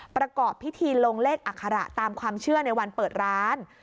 ประกอบพิธีลงเลขอัคระตามความเชื่อในวันเปิดร้าน